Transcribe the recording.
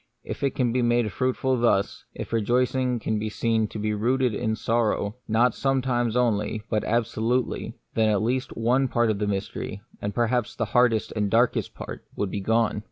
If it can be made fruitful thus, if a rejoicing can be seen to be rooted in sorrow, not sometimes only, but absolutely, then at least one part of the mystery, and perhaps the hardest and the darkest part, would be gone.